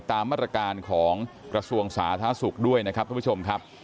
ตามมาตรการของกระทรวงสาธารณสุขด้วยนะครับทุกผู้ชมครับ